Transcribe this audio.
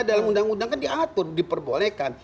dalam undang undang kan diatur diperbolehkan